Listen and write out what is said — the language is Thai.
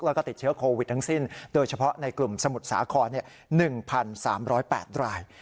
แล้วก็ติดเชื้อโควิดทั้งสิ้นโดยเฉพาะในกลุ่มสมุทรสาคร๑๓๐๘ราย